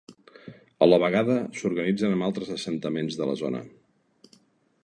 A la vegada s'organitzen amb altres assentaments de la zona.